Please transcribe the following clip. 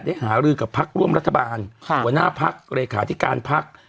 ได้หารืดกับภักดิ์ร่วมรัฐบาลค่ะหัวหน้าภักดิ์หลักฐิการภักดิ์